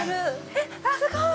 ◆えっ、すごい。